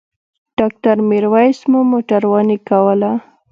ډاکټر میرویس مو موټرواني کوله.